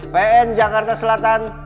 pn jakarta selatan